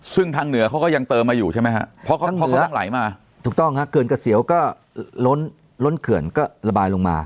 ซึ่งทางเหนือเขาก็ยังเติมมาอยู่ใช่ไหมครับ